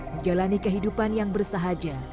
menjalani kehidupan yang bersahaja